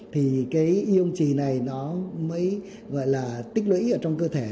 thì cái ion trì này nó mới gọi là tích lũy ở trong cơ thể